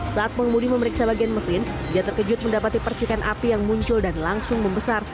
saat pengemudi memeriksa bagian mesin dia terkejut mendapati percikan api yang muncul dan langsung membesar